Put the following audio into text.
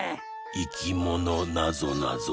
「いきものなぞなぞ」